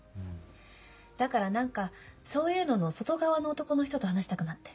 だから何かそういうのの外側の男の人と話したくなって。